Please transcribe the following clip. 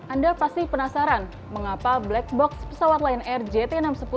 anda pasti penasaran mengapa black box pesawat lion air jt enam ratus sepuluh